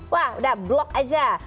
wah udah block aja